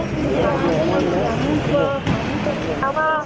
สวัสดีครับ